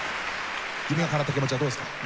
夢がかなった気持ちはどうですか？